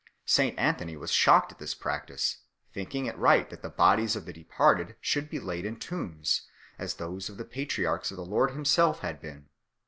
St Anthony was shocked at this practice, thinking it right that the bodies of the departed should be laid in tombs, as those of the patriarchs and of the Lord Himself had been 2